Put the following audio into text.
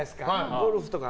ゴルフとか。